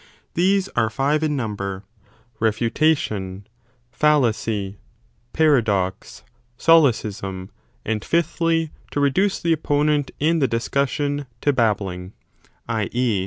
These are five in number, refutation, fallacy, paradox, sole cism, and fifthly to reduce the opponent in the discussion 15 to babbling i. e.